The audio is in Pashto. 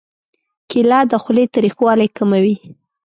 کېله د خولې تریخوالی کموي.